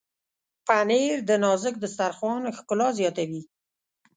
پنېر د نازک دسترخوان ښکلا زیاتوي.